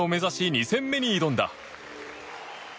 ２戦目に挑んだ。